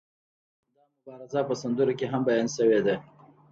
دا مبارزه په سندرو کې هم بیان شوې ده.